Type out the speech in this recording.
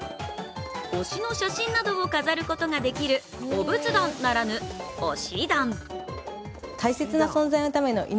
推しの写真などを飾ることができるお仏壇ならぬ、推し壇。